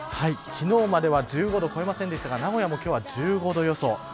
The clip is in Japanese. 昨日までは１５度を超えませんでしたが名古屋も今日は１５度予想。